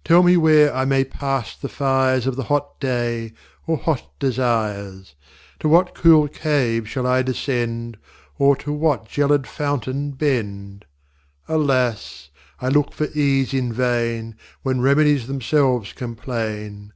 IV Tell me where I may pass the Fires Of the hot day, or hot desires. To what cool Cave shall I descend, Or to what gelid Fountain bend? Alas! I look for Ease in vain, When Remedies themselves complain.